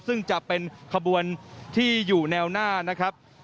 ซึ่งจะเป็นขบวนที่อยู่แนวหน้านะครับ